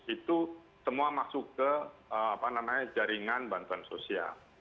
itu semua masuk ke jaringan bantuan sosial